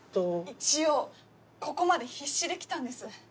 一応ここまで必死で来たんです。